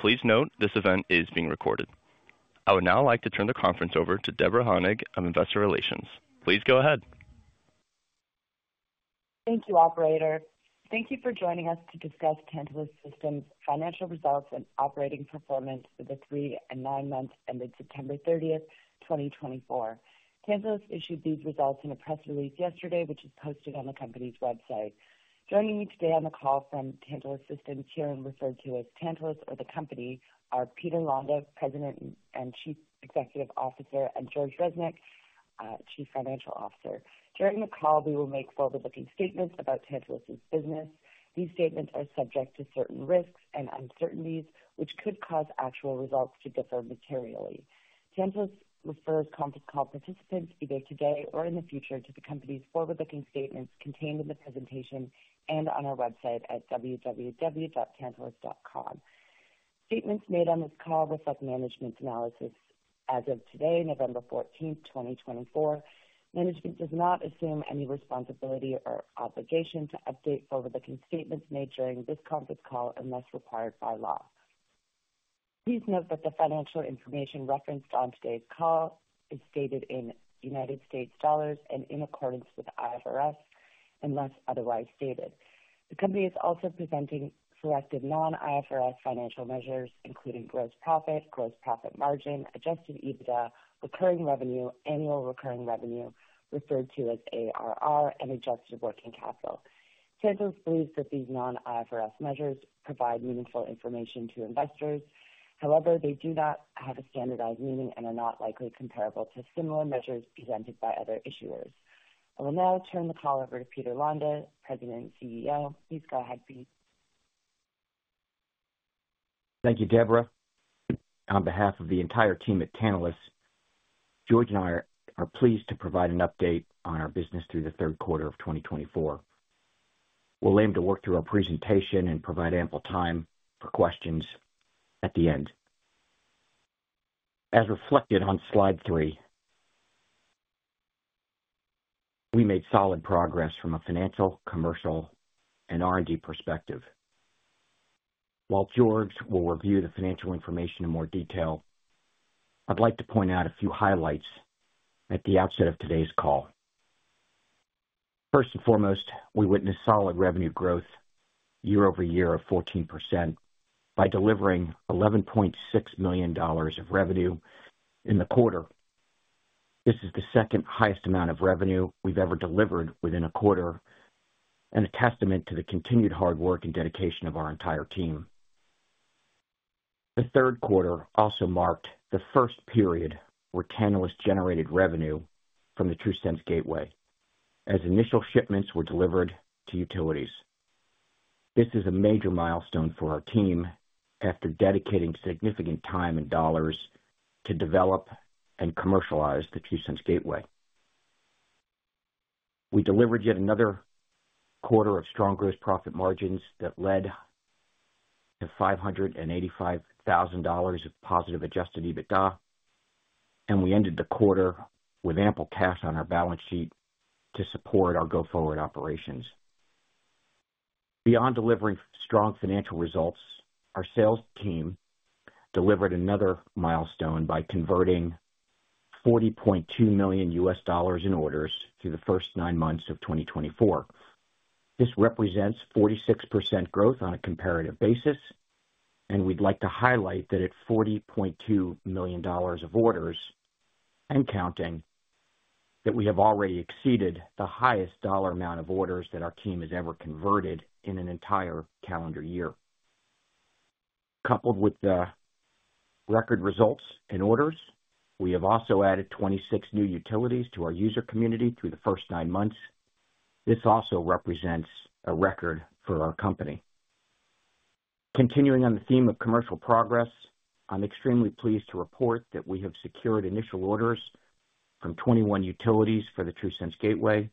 Please note this event is being recorded. I would now like to turn the conference over to Deborah Honig of Investor Relations. Please go ahead. Thank you, Operator. Thank you for joining us to discuss Tantalus Systems' Financial Results and operating performance for the three and nine months ending September 30th, 2024. Tantalus issued these results in a press release yesterday, which is posted on the company's website. Joining me today on the call from Tantalus Systems, here referred to as Tantalus or the company, are Peter Londa, President and Chief Executive Officer, and George Reznik, Chief Financial Officer. During the call, we will make forward-looking statements about Tantalus's business. These statements are subject to certain risks and uncertainties, which could cause actual results to differ materially. Tantalus refers conference call participants, either today or in the future, to the company's forward-looking statements contained in the presentation and on our website at www.tantalus.com. Statements made on this call reflect management's analysis. As of today, November 14th, 2024, management does not assume any responsibility or obligation to update forward-looking statements made during this conference call unless required by law. Please note that the financial information referenced on today's call is stated in United States dollars and in accordance with IFRS, unless otherwise stated. The company is also presenting selected non-IFRS financial measures, including gross profit, gross profit margin, adjusted EBITDA, recurring revenue, annual recurring revenue, referred to as ARR, and adjusted working capital. Tantalus believes that these non-IFRS measures provide meaningful information to investors. However, they do not have a standardized meaning and are not likely comparable to similar measures presented by other issuers. I will now turn the call over to Peter Londa, President and CEO. Please go ahead, Pete. Thank you, Deborah. On behalf of the entire team at Tantalus, George and I are pleased to provide an update on our business through the third quarter of 2024. We'll aim to work through our presentation and provide ample time for questions at the end. As reflected on Slide 3, we made solid progress from a financial, commercial, and R&D perspective. While George will review the financial information in more detail, I'd like to point out a few highlights at the outset of today's call. First and foremost, we witnessed solid revenue growth year-over-year of 14% by delivering $11.6 million of revenue in the quarter. This is the second highest amount of revenue we've ever delivered within a quarter and a testament to the continued hard work and dedication of our entire team. The third quarter also marked the first period where Tantalus generated revenue from the TRUSense Gateway, as initial shipments were delivered to utilities. This is a major milestone for our team after dedicating significant time and dollars to develop and commercialize the TRUSense Gateway. We delivered yet another quarter of strong gross profit margins that led to $585,000 of positive Adjusted EBITDA, and we ended the quarter with ample cash on our balance sheet to support our go-forward operations. Beyond delivering strong financial results, our sales team delivered another milestone by converting $40.2 million in orders through the first nine months of 2024. This represents 46% growth on a comparative basis, and we'd like to highlight that at $40.2 million of orders and counting, that we have already exceeded the highest dollar amount of orders that our team has ever converted in an entire calendar year. Coupled with the record results in orders, we have also added 26 new utilities to our user community through the first nine months. This also represents a record for our company. Continuing on the theme of commercial progress, I'm extremely pleased to report that we have secured initial orders from 21 utilities for the TRUSense Gateway.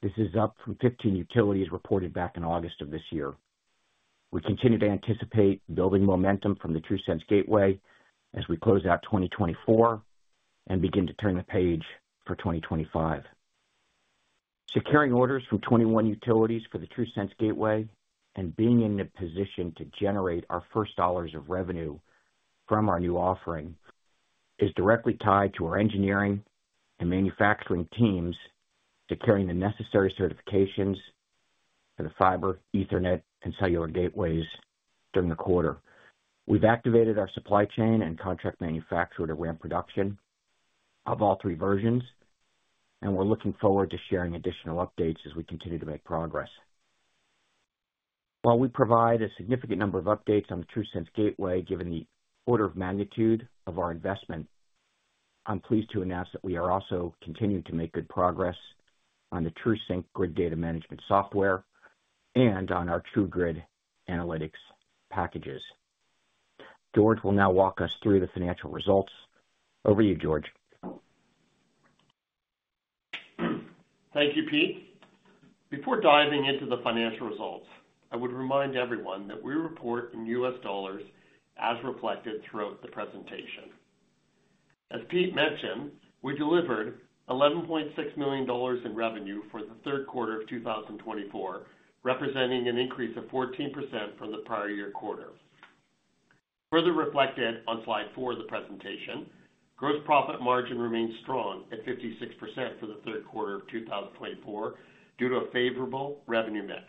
This is up from 15 utilities reported back in August of this year. We continue to anticipate building momentum from the TRUSense Gateway as we close out 2024 and begin to turn the page for 2025. Securing orders from 21 utilities for the TRUSense Gateway and being in a position to generate our first dollars of revenue from our new offering is directly tied to our engineering and manufacturing teams securing the necessary certifications for the fiber, Ethernet, and cellular gateways during the quarter. We've activated our supply chain and contract manufacturer to ramp production of all three versions, and we're looking forward to sharing additional updates as we continue to make progress. While we provide a significant number of updates on the TRUSense Gateway, given the order of magnitude of our investment, I'm pleased to announce that we are also continuing to make good progress on the TRUSync grid data management software and on our TRUGrid analytics packages. George will now walk us through the financial results. Over to you, George. Thank you, Pete. Before diving into the financial results, I would remind everyone that we report in U.S. dollars as reflected throughout the presentation. As Pete mentioned, we delivered $11.6 million in revenue for the third quarter of 2024, representing an increase of 14% from the prior year quarter. Further reflected on slide four of the presentation, gross profit margin remains strong at 56% for the third quarter of 2024 due to a favorable revenue mix.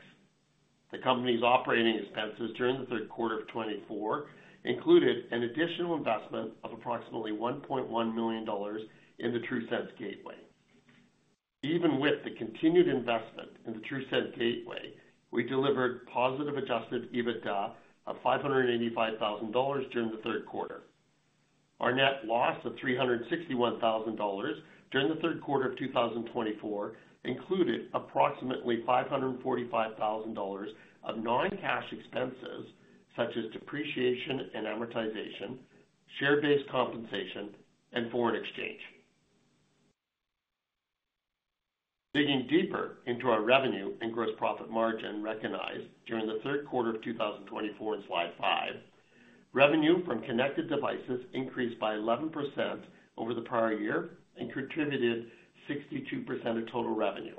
The company's operating expenses during the third quarter of 2024 included an additional investment of approximately $1.1 million in the TRUSense Gateway. Even with the continued investment in the TRUSense Gateway, we delivered positive Adjusted EBITDA of $585,000 during the third quarter. Our net loss of $361,000 during the third quarter of 2024 included approximately $545,000 of non-cash expenses, such as depreciation and amortization, share-based compensation, and foreign exchange. Digging deeper into our revenue and gross profit margin recognized during the third quarter of 2024 in slide five, revenue from connected devices increased by 11% over the prior year and contributed 62% of total revenue,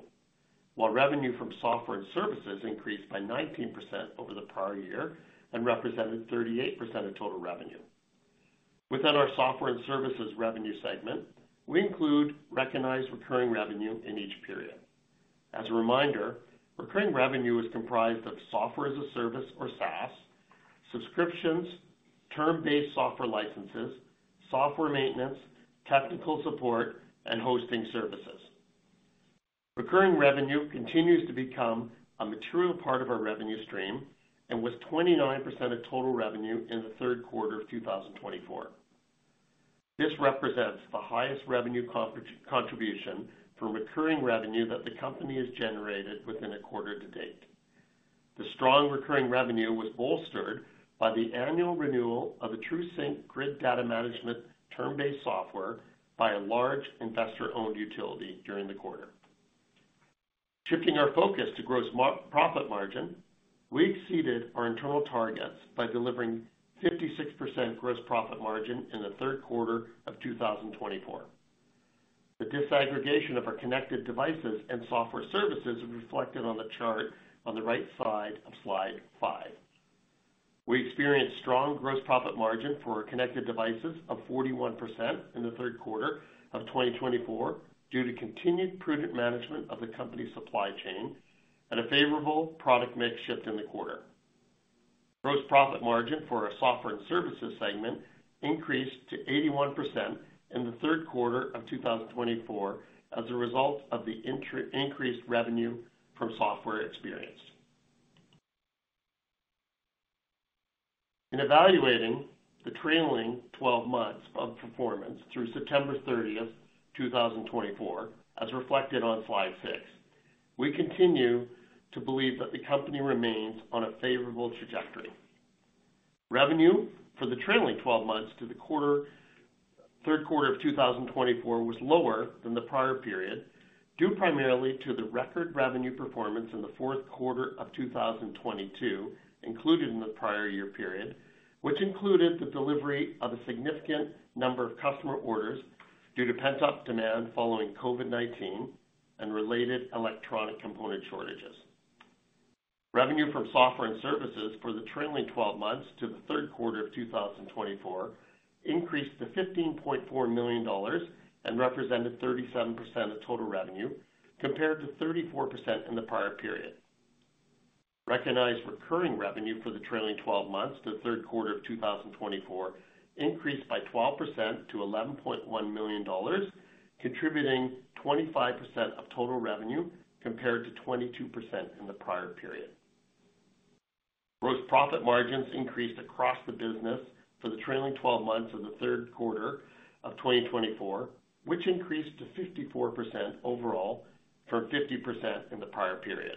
while revenue from software and services increased by 19% over the prior year and represented 38% of total revenue. Within our software and services revenue segment, we include recognized recurring revenue in each period. As a reminder, recurring revenue is comprised of software as a service or SaaS, subscriptions, term-based software licenses, software maintenance, technical support, and hosting services. Recurring revenue continues to become a material part of our revenue stream and was 29% of total revenue in the third quarter of 2024. This represents the highest revenue contribution for recurring revenue that the company has generated within a quarter to date. The strong recurring revenue was bolstered by the annual renewal of the TRUSync grid data management term-based software by a large investor-owned utility during the quarter. Shifting our focus to gross profit margin, we exceeded our internal targets by delivering 56% gross profit margin in the third quarter of 2024. The disaggregation of our connected devices and software services is reflected on the chart on the right side of slide five. We experienced strong gross profit margin for our connected devices of 41% in the third quarter of 2024 due to continued prudent management of the company's supply chain and a favorable product mix shift in the quarter. Gross profit margin for our software and services segment increased to 81% in the third quarter of 2024 as a result of the increased revenue from software experienced. In evaluating the trailing 12 months of performance through September 30th, 2024, as reflected on Slide 6, we continue to believe that the company remains on a favorable trajectory. Revenue for the trailing 12 months to the third quarter of 2024 was lower than the prior period due primarily to the record revenue performance in the fourth quarter of 2022, included in the prior year period, which included the delivery of a significant number of customer orders due to pent-up demand following COVID-19 and related electronic component shortages. Revenue from software and services for the trailing 12 months to the third quarter of 2024 increased to $15.4 million and represented 37% of total revenue compared to 34% in the prior period. Recognized recurring revenue for the trailing 12 months to the third quarter of 2024 increased by 12% to $11.1 million, contributing 25% of total revenue compared to 22% in the prior period. Gross profit margins increased across the business for the trailing 12 months of the third quarter of 2024, which increased to 54% overall from 50% in the prior period.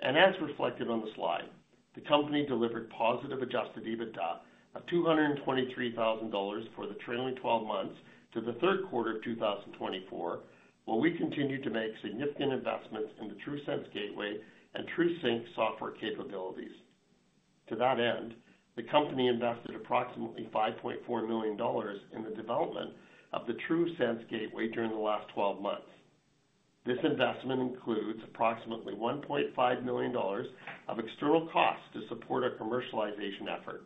And as reflected on the slide, the company delivered positive Adjusted EBITDA of $223,000 for the trailing 12 months to the third quarter of 2024, while we continued to make significant investments in the TRUSense Gateway and TRUSync software capabilities. To that end, the company invested approximately $5.4 million in the development of the TRUSense Gateway during the last 12 months. This investment includes approximately $1.5 million of external costs to support our commercialization effort.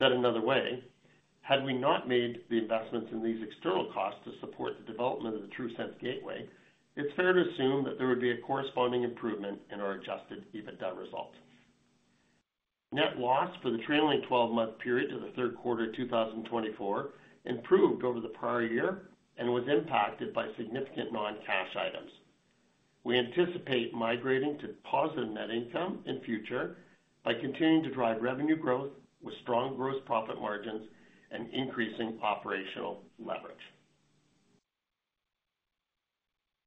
Said another way, had we not made the investments in these external costs to support the development of the TRUSense Gateway, it's fair to assume that there would be a corresponding improvement in our Adjusted EBITDA result. Net loss for the trailing 12-month period to the third quarter of 2024 improved over the prior year and was impacted by significant non-cash items. We anticipate migrating to positive net income in future by continuing to drive revenue growth with strong gross profit margins and increasing operational leverage.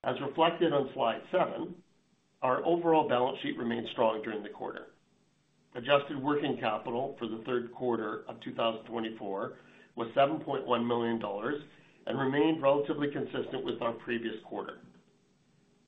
As reflected on slide seven, our overall balance sheet remained strong during the quarter. Adjusted working capital for the third quarter of 2024 was $7.1 million and remained relatively consistent with our previous quarter.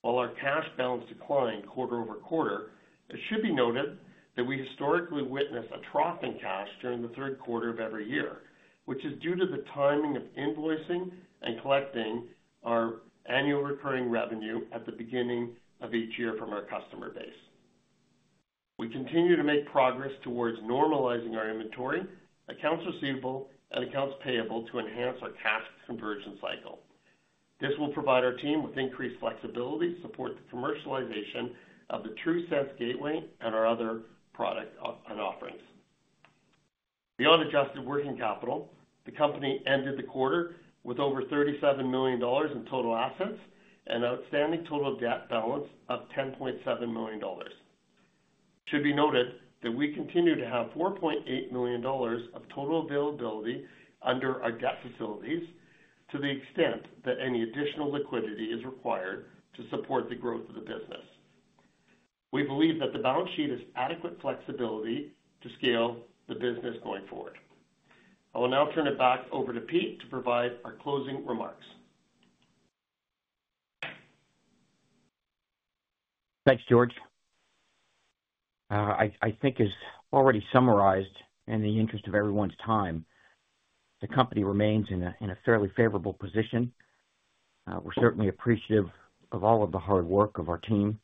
While our cash balance declined quarter-over-quarter, it should be noted that we historically witness a trough in cash during the third quarter of every year, which is due to the timing of invoicing and collecting our annual recurring revenue at the beginning of each year from our customer base. We continue to make progress towards normalizing our inventory, accounts receivable, and accounts payable to enhance our cash conversion cycle. This will provide our team with increased flexibility to support the commercialization of the TRUSense Gateway and our other products and offerings. Beyond adjusted working capital, the company ended the quarter with over $37 million in total assets and an outstanding total debt balance of $10.7 million. It should be noted that we continue to have $4.8 million of total availability under our debt facilities to the extent that any additional liquidity is required to support the growth of the business. We believe that the balance sheet is adequate flexibility to scale the business going forward. I will now turn it back over to Pete to provide our closing remarks. Thanks, George. I think it's already summarized in the interest of everyone's time. The company remains in a fairly favorable position. We're certainly appreciative of all of the hard work of our team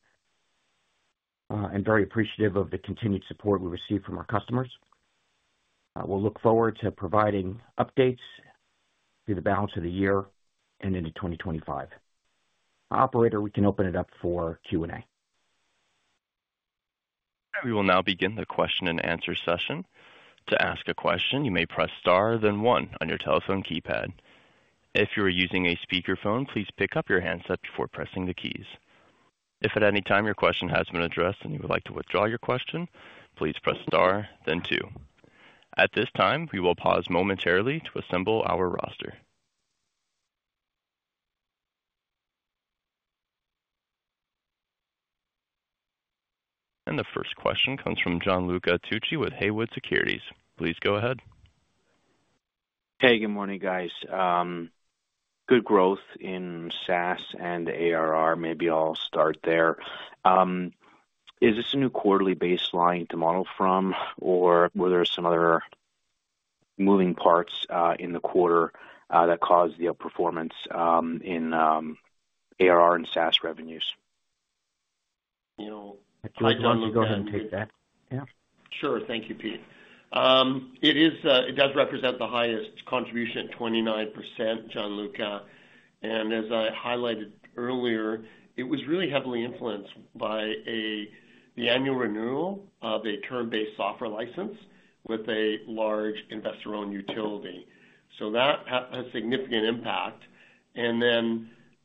and very appreciative of the continued support we receive from our customers. We'll look forward to providing updates through the balance of the year and into 2025. Operator, we can open it up for Q&A. We will now begin the question and answer session. To ask a question, you may press star, then one on your telephone keypad. If you are using a speakerphone, please pick up your handset before pressing the keys. If at any time your question has been addressed and you would like to withdraw your question, please press star, then two. At this time, we will pause momentarily to assemble our roster. And the first question comes from Gianluca Tucci with Haywood Securities. Please go ahead. Hey, good morning, guys. Good growth in SaaS and ARR. Maybe I'll start there. Is this a new quarterly baseline to model from, or were there some other moving parts in the quarter that caused the performance in ARR and SaaS revenues? George, you go ahead and take that. Yeah. Sure. Thank you, Pete. It does represent the highest contribution, 29%, Gianluca. And as I highlighted earlier, it was really heavily influenced by the annual renewal of a term-based software license with a large investor-owned utility. So that has a significant impact.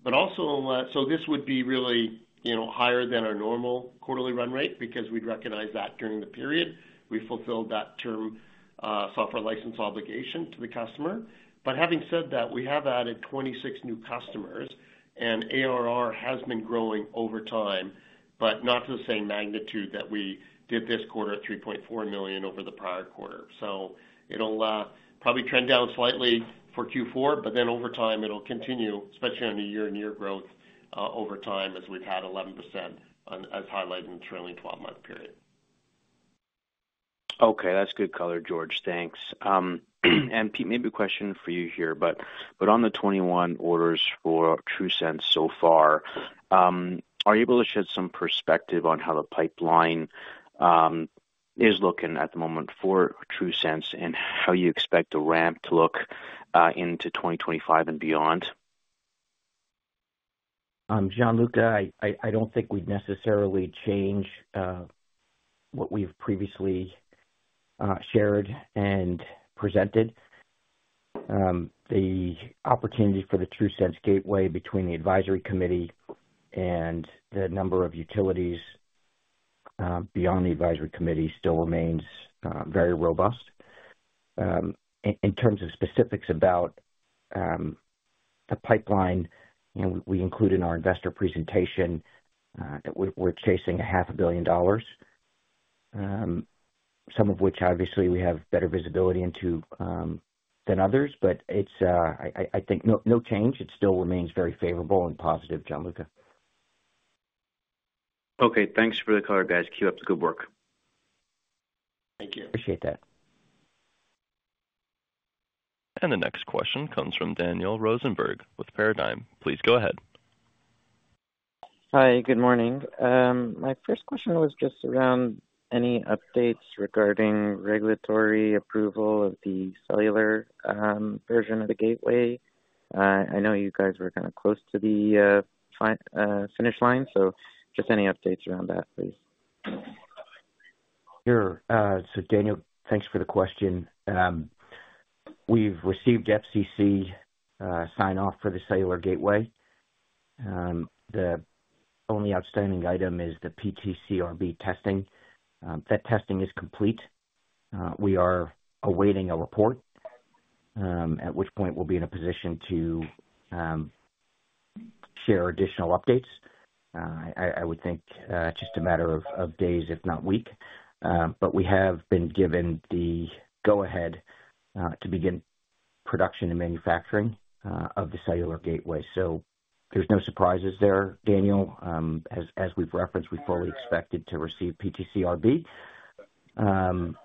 But also, so this would be really higher than our normal quarterly run rate because we'd recognize that during the period we fulfilled that term software license obligation to the customer. But having said that, we have added 26 new customers, and ARR has been growing over time, but not to the same magnitude that we did this quarter at $3.4 million over the prior quarter. So it'll probably trend down slightly for Q4, but then over time, it'll continue, especially on a year-on-year growth over time as we've had 11%, as highlighted in the trailing 12-month period. Okay. That's good color, George. Thanks. And Pete, maybe a question for you here, but on the 21 orders for TRUSense so far, are you able to shed some perspective on how the pipeline is looking at the moment for TRUSense and how you expect the ramp to look into 2025 and beyond? Gianluca, I don't think we'd necessarily change what we've previously shared and presented. The opportunity for the TRUSense Gateway between the advisory committee and the number of utilities beyond the advisory committee still remains very robust. In terms of specifics about the pipeline, we included in our investor presentation that we're chasing $500 million, some of which obviously we have better visibility into than others, but I think no change. It still remains very favorable and positive, Gianluca. Okay. Thanks for the color, guys. Keep up the good work. Thank you. Appreciate that. The next question comes from Daniel Rosenberg with Paradigm. Please go ahead. Hi, good morning. My first question was just around any updates regarding regulatory approval of the cellular version of the gateway. I know you guys were kind of close to the finish line, so just any updates around that, please? Sure. So Daniel, thanks for the question. We've received FCC sign-off for the cellular gateway. The only outstanding item is the PTCRB testing. That testing is complete. We are awaiting a report, at which point we'll be in a position to share additional updates. I would think just a matter of days, if not weeks, but we have been given the go-ahead to begin production and manufacturing of the cellular gateway. So there's no surprises there, Daniel. As we've referenced, we fully expected to receive PTCRB and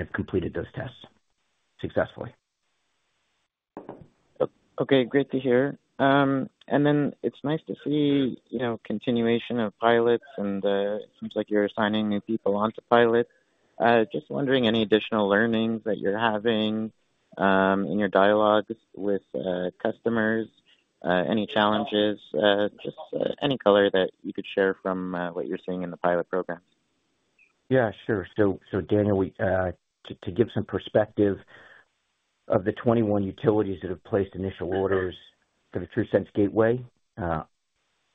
have completed those tests successfully. Okay. Great to hear. And then it's nice to see continuation of pilots, and it seems like you're assigning new people onto pilots. Just wondering any additional learnings that you're having in your dialogues with customers, any challenges, just any color that you could share from what you're seeing in the pilot programs? Yeah, sure. So Daniel, to give some perspective of the 21 utilities that have placed initial orders for the TRUSense Gateway,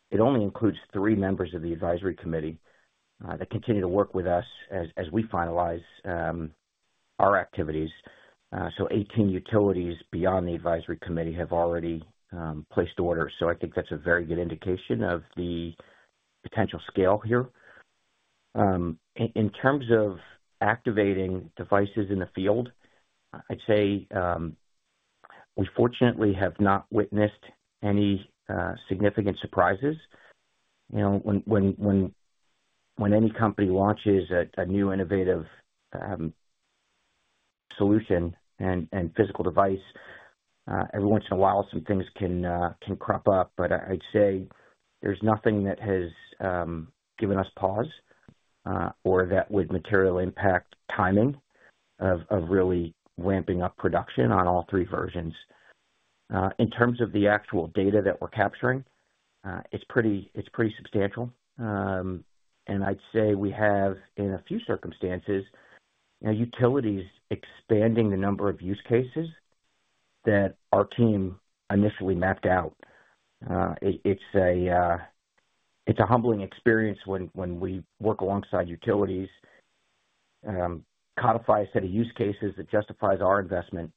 it only includes three members of the advisory committee that continue to work with us as we finalize our activities. So 18 utilities beyond the advisory committee have already placed orders. So I think that's a very good indication of the potential scale here. In terms of activating devices in the field, I'd say we fortunately have not witnessed any significant surprises. When any company launches a new innovative solution and physical device, every once in a while, some things can crop up, but I'd say there's nothing that has given us pause or that would materially impact timing of really ramping up production on all three versions. In terms of the actual data that we're capturing, it's pretty substantial. I'd say we have, in a few circumstances, utilities expanding the number of use cases that our team initially mapped out. It's a humbling experience when we work alongside utilities, codify a set of use cases that justifies our investment,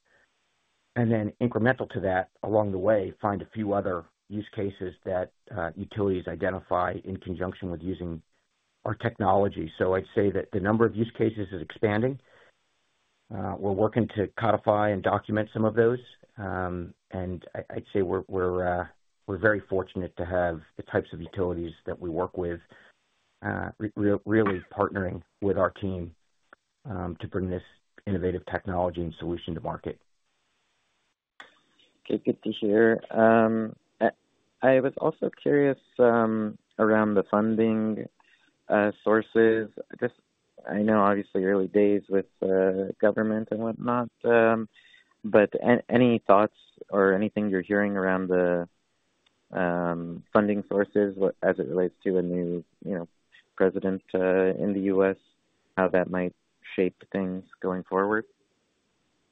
and then incremental to that, along the way, find a few other use cases that utilities identify in conjunction with using our technology. I'd say that the number of use cases is expanding. We're working to codify and document some of those. I'd say we're very fortunate to have the types of utilities that we work with really partnering with our team to bring this innovative technology and solution to market. Good to hear. I was also curious around the funding sources. I know, obviously, early days with government and whatnot, but any thoughts or anything you're hearing around the funding sources as it relates to a new president in the U.S., how that might shape things going forward?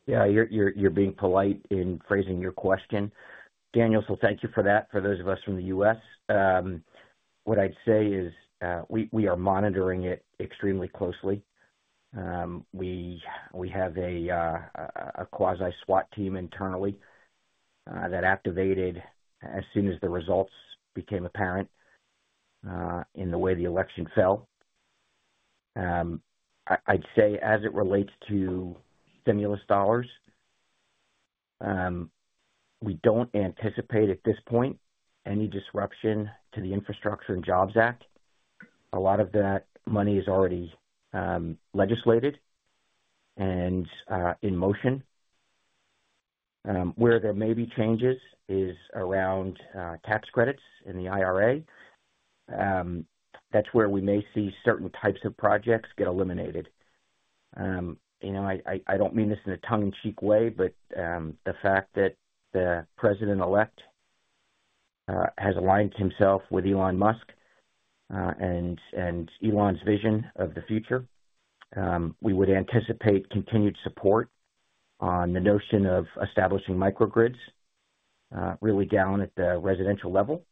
Yeah. You're being polite in phrasing your question, Daniel, so thank you for that. For those of us from the U.S., what I'd say is we are monitoring it extremely closely. We have a quasi-SWAT team internally that activated as soon as the results became apparent in the way the election fell. I'd say as it relates to stimulus dollars, we don't anticipate at this point any disruption to the Infrastructure and Jobs Act. A lot of that money is already legislated and in motion. Where there may be changes is around tax credits in the IRA. That's where we may see certain types of projects get eliminated. I don't mean this in a tongue-in-cheek way, but the fact that the president-elect has aligned himself with Elon Musk and Elon's vision of the future, we would anticipate continued support on the notion of establishing microgrids really down at the residential level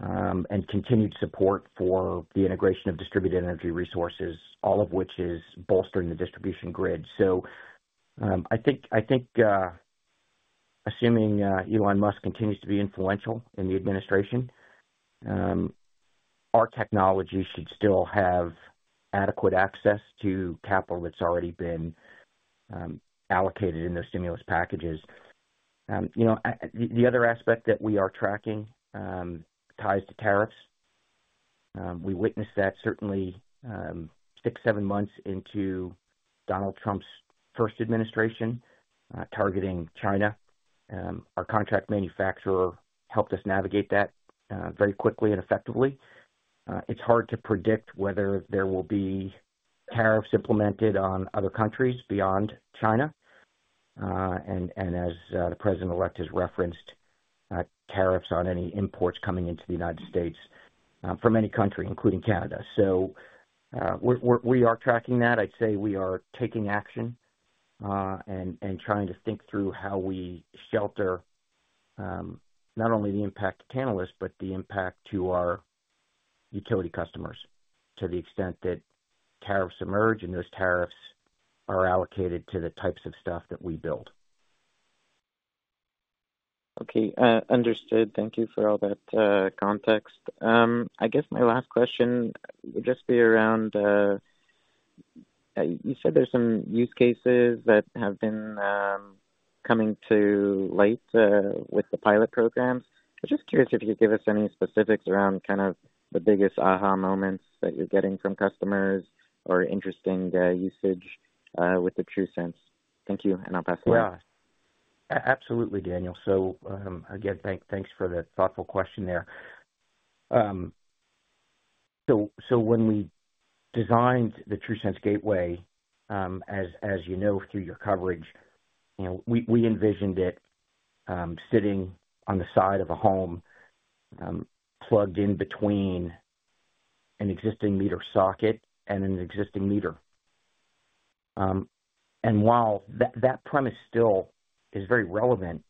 and continued support for the integration of distributed energy resources, all of which is bolstering the distribution grid. So I think assuming Elon Musk continues to be influential in the administration, our technology should still have adequate access to capital that's already been allocated in those stimulus packages. The other aspect that we are tracking ties to tariffs. We witnessed that certainly six, seven months into Donald Trump's first administration targeting China. Our contract manufacturer helped us navigate that very quickly and effectively. It's hard to predict whether there will be tariffs implemented on other countries beyond China. As the president-elect has referenced, tariffs on any imports coming into the United States from any country, including Canada. So we are tracking that. I'd say we are taking action and trying to think through how we shelter not only the impact to partners, but the impact to our utility customers to the extent that tariffs emerge and those tariffs are allocated to the types of stuff that we build. Okay. Understood. Thank you for all that context. I guess my last question would just be around you said there's some use cases that have been coming to light with the pilot programs. I'm just curious if you could give us any specifics around kind of the biggest aha moments that you're getting from customers or interesting usage with the TRUSense. Thank you, and I'll pass it away. Yeah. Absolutely, Daniel. So again, thanks for the thoughtful question there. So when we designed the TRUSense Gateway, as you know through your coverage, we envisioned it sitting on the side of a home plugged in between an existing meter socket and an existing meter. And while that premise still is very relevant,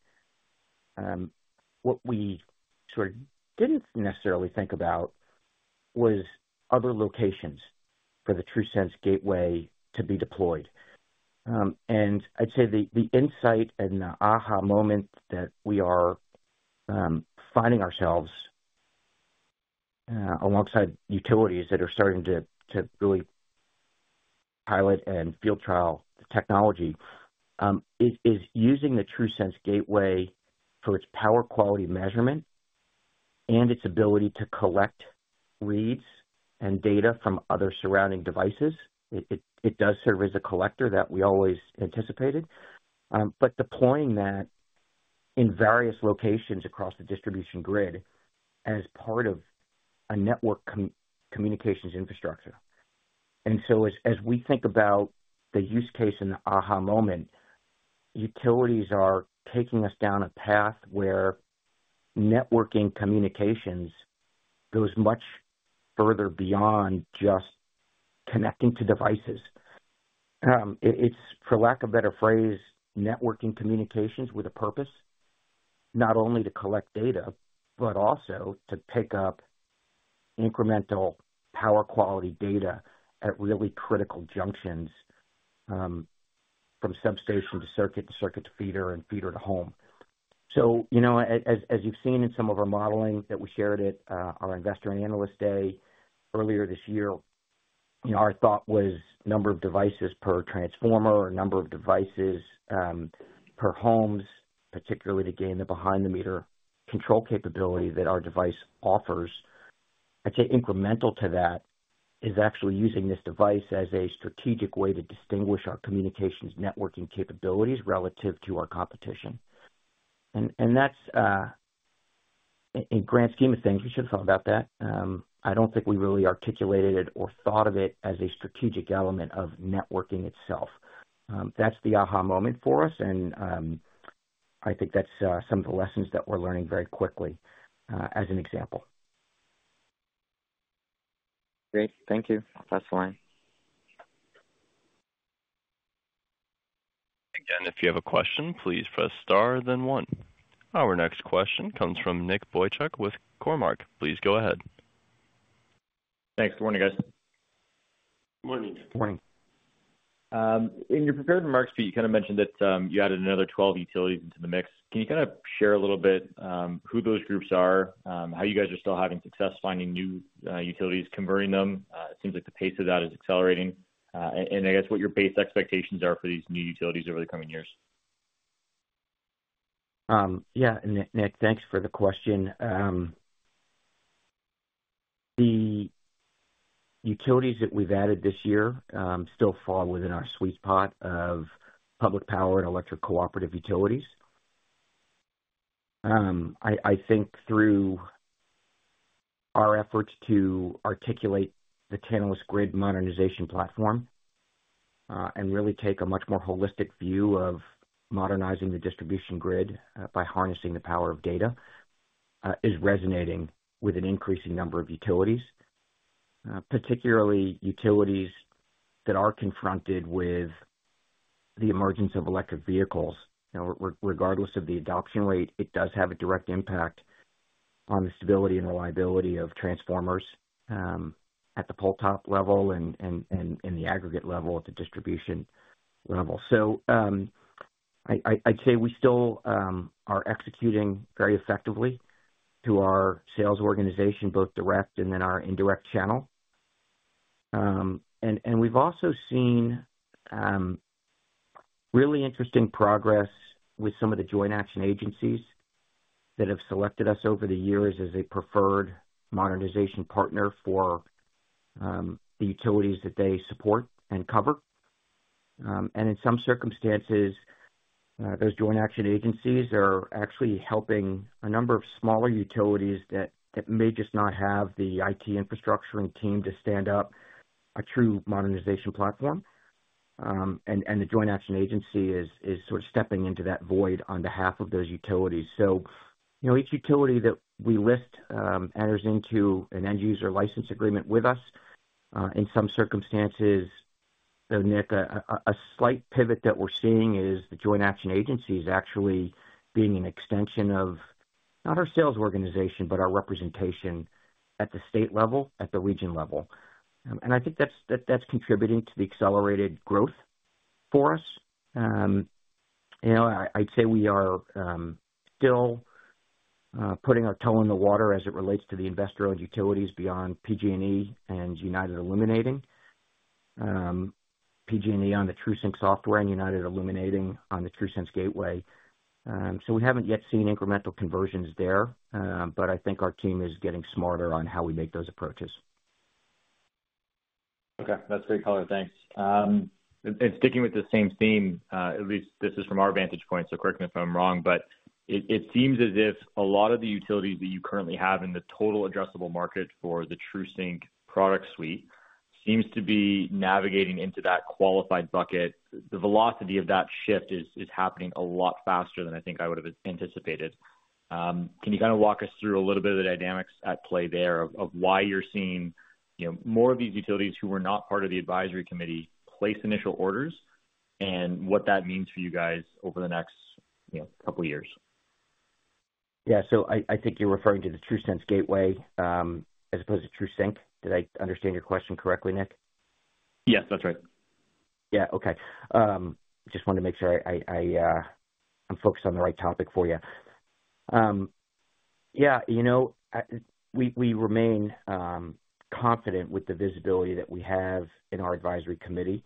what we sort of didn't necessarily think about was other locations for the TRUSense Gateway to be deployed. And I'd say the insight and the aha moment that we are finding ourselves alongside utilities that are starting to really pilot and field trial the technology is using the TRUSense Gateway for its power quality measurement and its ability to collect reads and data from other surrounding devices. It does serve as a collector that we always anticipated, but deploying that in various locations across the distribution grid as part of a network communications infrastructure. And so as we think about the use case and the aha moment, utilities are taking us down a path where networking communications goes much further beyond just connecting to devices. It's, for lack of a better phrase, networking communications with a purpose, not only to collect data, but also to pick up incremental power quality data at really critical junctions from substation to circuit to circuit to feeder and feeder to home. So as you've seen in some of our modeling that we shared at our investor analyst day earlier this year, our thought was number of devices per transformer or number of devices per homes, particularly to gain the behind-the-meter control capability that our device offers. I'd say incremental to that is actually using this device as a strategic way to distinguish our communications networking capabilities relative to our competition. That's, in grand scheme of things, we should have thought about that. I don't think we really articulated it or thought of it as a strategic element of networking itself. That's the aha moment for us, and I think that's some of the lessons that we're learning very quickly, as an example. Great. Thank you. That's fine. Again, if you have a question, please press star, then one. Our next question comes from Nick Boychuk with Cormark. Please go ahead. Thanks. Good morning, guys. Good morning. Good morning. In your prepared remarks, you kind of mentioned that you added another 12 utilities into the mix. Can you kind of share a little bit who those groups are, how you guys are still having success finding new utilities, converting them? It seems like the pace of that is accelerating. And I guess what your base expectations are for these new utilities over the coming years? Yeah. Nick, thanks for the question. The utilities that we've added this year still fall within our sweet spot of public power and electric cooperative utilities. I think through our efforts to articulate the Tantalus Grid Modernization Platform and really take a much more holistic view of modernizing the distribution grid by harnessing the power of data is resonating with an increasing number of utilities, particularly utilities that are confronted with the emergence of electric vehicles. Regardless of the adoption rate, it does have a direct impact on the stability and reliability of transformers at the pole-top level and in the aggregate level at the distribution level. So I'd say we still are executing very effectively through our sales organization, both direct and then our indirect channel. And we've also seen really interesting progress with some of the joint action agencies that have selected us over the years as a preferred modernization partner for the utilities that they support and cover. And in some circumstances, those joint action agencies are actually helping a number of smaller utilities that may just not have the IT infrastructure and team to stand up a true modernization platform. And the joint action agency is sort of stepping into that void on behalf of those utilities. So each utility that we list enters into an end-user license agreement with us. In some circumstances, Nick, a slight pivot that we're seeing is the joint action agencies actually being an extension of not our sales organization, but our representation at the state level, at the region level. I think that's contributing to the accelerated growth for us. I'd say we are still putting our toe in the water as it relates to the investor-owned utilities beyond PG&E and United Illuminating, PG&E on the TRUSync software and United Illuminating on the TRUSense Gateway. We haven't yet seen incremental conversions there, but I think our team is getting smarter on how we make those approaches. Okay. That's great color. Thanks. And sticking with the same theme, at least this is from our vantage point, so correct me if I'm wrong, but it seems as if a lot of the utilities that you currently have in the total addressable market for the TRUSync product suite seems to be navigating into that qualified bucket. The velocity of that shift is happening a lot faster than I think I would have anticipated. Can you kind of walk us through a little bit of the dynamics at play there of why you're seeing more of these utilities who were not part of the advisory committee place initial orders and what that means for you guys over the next couple of years? Yeah, so I think you're referring to the TRUSense Gateway as opposed to TRUSync. Did I understand your question correctly, Nick? Yes, that's right. Yeah. Okay. Just wanted to make sure I'm focused on the right topic for you. Yeah. We remain confident with the visibility that we have in our advisory committee.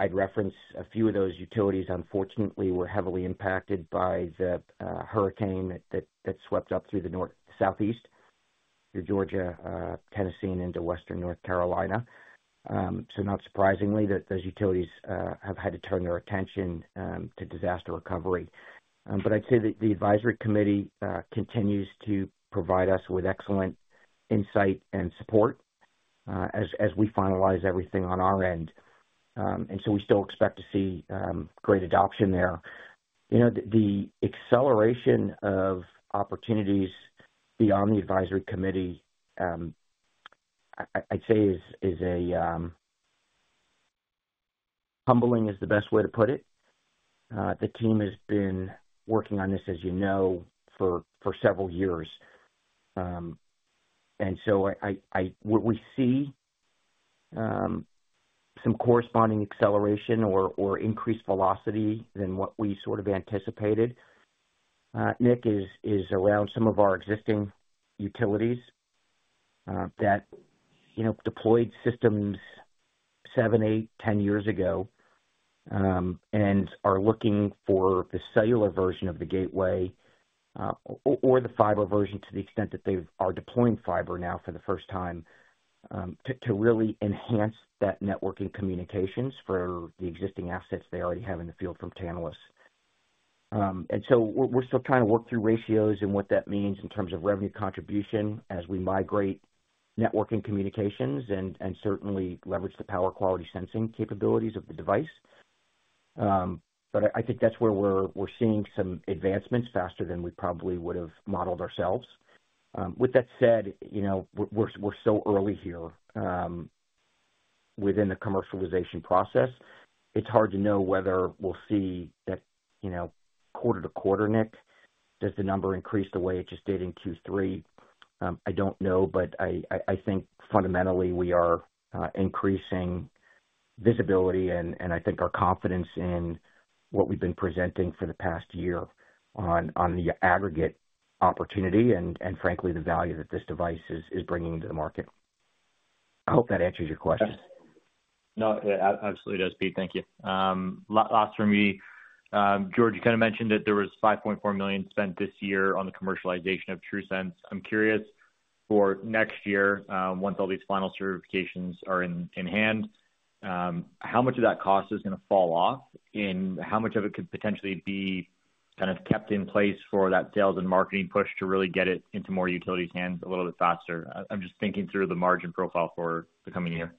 I'd reference a few of those utilities, unfortunately, were heavily impacted by the hurricane that swept up through the southeast through Georgia, Tennessee, and into western North Carolina. So not surprisingly, those utilities have had to turn their attention to disaster recovery. But I'd say that the advisory committee continues to provide us with excellent insight and support as we finalize everything on our end. And so we still expect to see great adoption there. The acceleration of opportunities beyond the advisory committee, I'd say, is humbling is the best way to put it. The team has been working on this, as you know, for several years. What we see some corresponding acceleration or increased velocity than what we sort of anticipated. Next, it's around some of our existing utilities that deployed systems seven, eight, 10 years ago and are looking for the cellular version of the gateway or the fiber version to the extent that they are deploying fiber now for the first time to really enhance that networking communications for the existing assets they already have in the field from Tantalus. We're still trying to work through ratios and what that means in terms of revenue contribution as we migrate networking communications and certainly leverage the power quality sensing capabilities of the device. I think that's where we're seeing some advancements faster than we probably would have modeled ourselves. With that said, we're so early here within the commercialization process. It's hard to know whether we'll see that quarter to quarter, Nick. Does the number increase the way it just did in Q3? I don't know, but I think fundamentally we are increasing visibility, and I think our confidence in what we've been presenting for the past year on the aggregate opportunity and, frankly, the value that this device is bringing to the market. I hope that answers your question. No, it absolutely does, Pete. Thank you. Last for me, George, you kind of mentioned that there was $5.4 million spent this year on the commercialization of TRUSense. I'm curious for next year, once all these final certifications are in hand, how much of that cost is going to fall off and how much of it could potentially be kind of kept in place for that sales and marketing push to really get it into more utilities' hands a little bit faster. I'm just thinking through the margin profile for the coming year.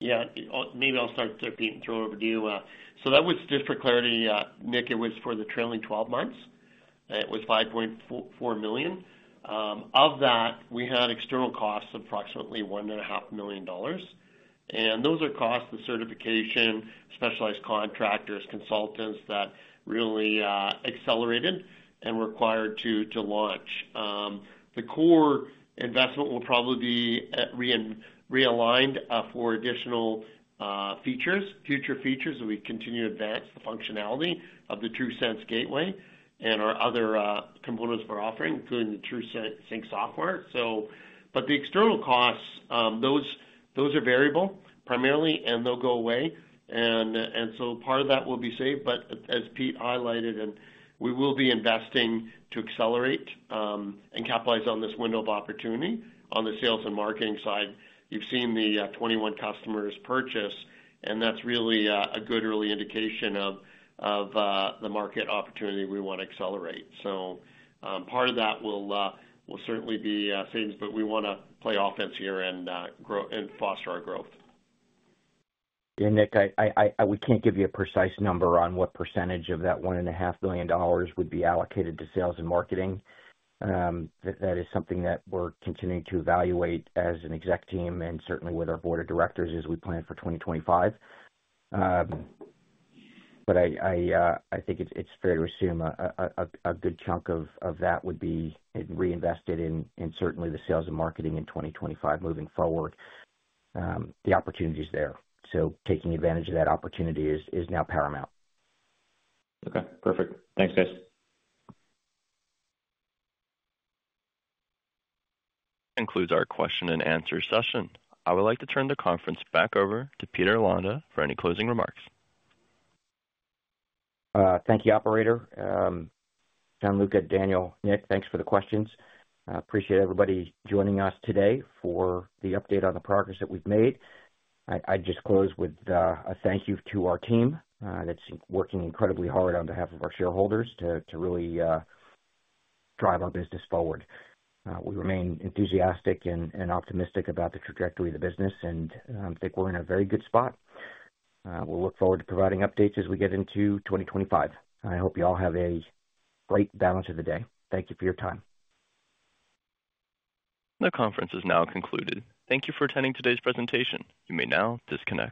Yeah. Maybe I'll start throwing over to you. So that was just for clarity, Nick. It was for the trailing 12 months, and it was $5.4 million. Of that, we had external costs of approximately $1.5 million. And those are costs, the certification, specialized contractors, consultants that really accelerated and were required to launch. The core investment will probably be realigned for additional features, future features that we continue to advance the functionality of the TRUSense Gateway and our other components we're offering, including the TRUSync software. But the external costs, those are variable primarily, and they'll go away. And so part of that will be saved. But as Pete highlighted, we will be investing to accelerate and capitalize on this window of opportunity on the sales and marketing side. You've seen the 21 customers purchase, and that's really a good early indication of the market opportunity we want to accelerate. So part of that will certainly be savings, but we want to play offense here and foster our growth. Yeah, Nick, we can't give you a precise number on what percentage of that $1.5 million would be allocated to sales and marketing. That is something that we're continuing to evaluate as an exec team and certainly with our board of directors as we plan for 2025. But I think it's fair to assume a good chunk of that would be reinvested in certainly the sales and marketing in 2025 moving forward. The opportunity is there. So taking advantage of that opportunity is now paramount. Okay. Perfect. Thanks, guys. Concludes our question and answer session. I would like to turn the conference back over to Peter Londa for any closing remarks. Thank you, operator. Gianluca, Daniel, Nick, thanks for the questions. Appreciate everybody joining us today for the update on the progress that we've made. I'd just close with a thank you to our team that's working incredibly hard on behalf of our shareholders to really drive our business forward. We remain enthusiastic and optimistic about the trajectory of the business, and I think we're in a very good spot. We'll look forward to providing updates as we get into 2025. I hope you all have a great rest of the day. Thank you for your time. The conference is now concluded. Thank you for attending today's presentation. You may now disconnect.